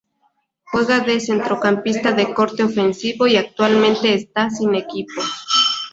Juega de centrocampista de corte ofensivo y actualmente está sin equipo.